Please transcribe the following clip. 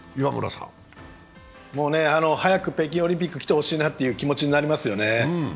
早く北京オリンピックが来てほしいなって気持ちになりますね。